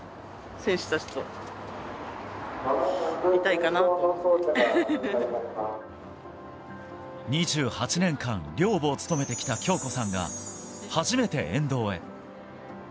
選手たちと、２８年間、寮母を務めてきた京子さんが、初めて沿道へ。